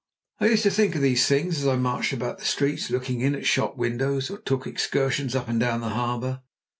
I used to think of these things as I marched about the streets looking in at shop windows, or took excursions up and down the harbour.